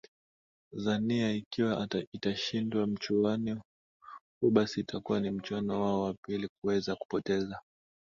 zania ikiwa itashindwa mchuano huu basi itakuwa ni mchuano wao wa pili kuweza kupoteza